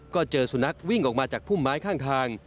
ก็เจอสุนัขวิ่งออกมาจากพุ่มไม้ข้างทาง